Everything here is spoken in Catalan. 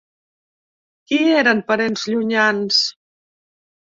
Qui eren parents llunyans?